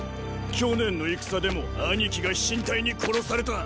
去年の戦でも兄貴が飛信隊に殺された。